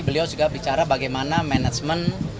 beliau juga bicara bagaimana manajemen